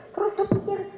terus saya pikir